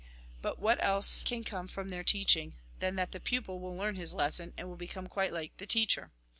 But what else can come from their teaching, than that the pupil will learn his lesson, and will become quite like the teacher